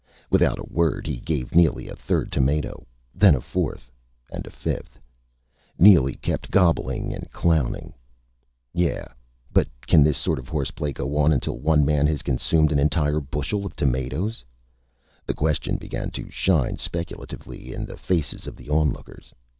Without a word, he gave Neely a third tomato. Then a fourth and a fifth.... Neely kept gobbling and clowning. Yeah but can this sort of horseplay go on until one man has consumed an entire bushel of tomatoes? The question began to shine speculatively in the faces of the onlookers.